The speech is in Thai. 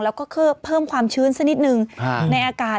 แล้วก็เพิ่มความชื้นสักนิดนึงในอากาศ